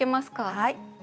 はい。